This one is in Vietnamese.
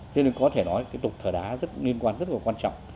thế nên có thể nói tục thở đá liên quan rất là quan trọng